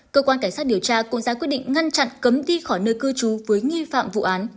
cơ quan cảnh sát điều tra cũng ra quyết định ngăn chặn cấm đi khỏi nơi cư trú với nghi phạm vụ án